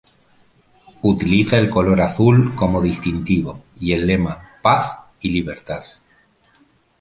Utiliza el color azul como distintivo y el lema "Paz y Libertad".